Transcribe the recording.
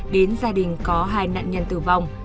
đến gia đình có hai nạn nhân tử vong